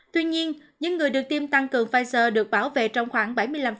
tuy nhiên những người được tiêm tăng cường pfizer được bảo vệ trong khoảng bảy mươi năm